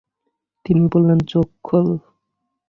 তিনি বললেন, চোখ খোল ।